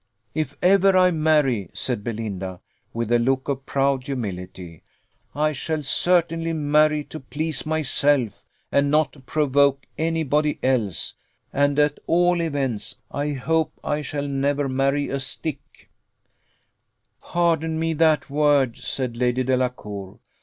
"If ever I marry," said Belinda, with a look of proud humility, "I shall certainly marry to please myself, and not to provoke any body else; and, at all events, I hope I shall never marry a stick." "Pardon me that word," said Lady Delacour.